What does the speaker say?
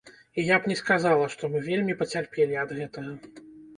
І я б не сказала, што мы вельмі пацярпелі ад гэтага.